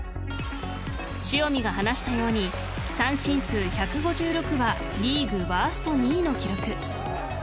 塩見が話したように三振数１５６はリーグワースト２位の記録。